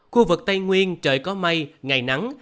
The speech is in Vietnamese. khu vực tây nguyên trời có mây ngày nắng